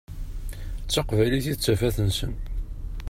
D taqbaylit i d tafat-nsent.